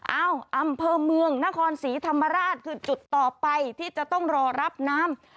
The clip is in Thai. เอ้าอำเภอเมืองนครศรีธรรมราชคือจุดต่อไปที่จะต้องรอรับน้ำ